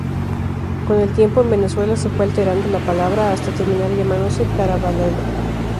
Con el tiempo, en Venezuela se fue alterando la palabra, hasta terminar llamándose Caraballeda.